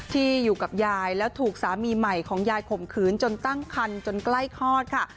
ที่อยู่กับยายแล้วถูกสามีใหม่ของยายข่มขืนจนตั้งคันจนใกล้คลอดค่ะ